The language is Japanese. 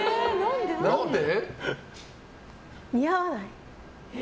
何で？